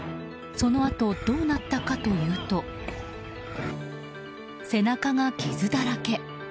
そのあと、どうなったかというと背中が傷だらけ。